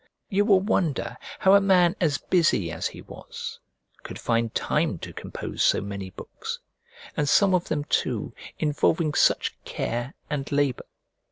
You will wonder how a man as busy as he was could find time to compose so many books, and some of them too involving such care and labour.